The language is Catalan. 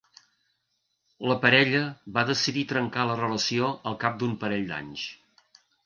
La parella va decidir trencar la relació al cap d'un parell d'anys.